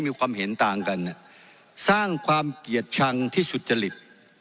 มีความเห็นต่างกันสร้างความเกลียดชังที่สุจริต